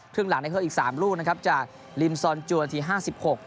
เครื่องหลังได้เพิ่มอีก๓ลูกนะครับจากลิมซอนจวนนาที๕๖